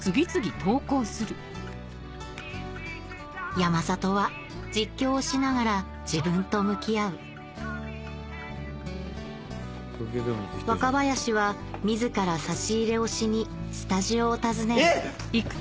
山里は実況をしながら自分と向き合う若林は自ら差し入れをしにスタジオを訪ねるえ！